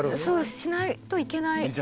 そうしないといけない。